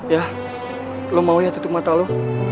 ya lo mau ya tutup mata lo